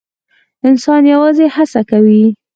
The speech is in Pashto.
انسان یوازې هڅه کوي